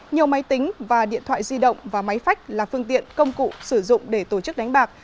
nhiều máy tính và điện thoại di động và máy phách là phương tiện công cụ sử dụng để tổ chức đánh bạc